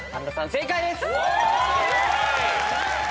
正解です。わ！